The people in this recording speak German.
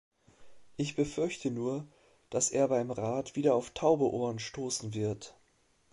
Ich befürchte nur, dass er beim Rat wieder auf taube Ohren stoßen wird.